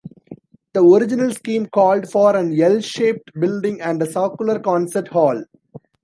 The original scheme called for an L-shaped building and a circular concert hall.